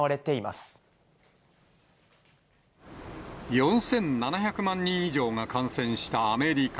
４７００万人以上が感染したアメリカ。